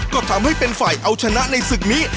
ก็ทำให้เป็นฝ่ายเอาชนะในศึกนี้